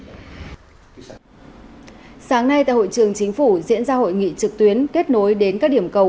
sáng nay tại hội trường chính phủ diễn ra hội nghị trực tuyến kết nối đến các điểm cầu